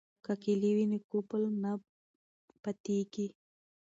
که کیلي وي نو قفل نه پاتیږي.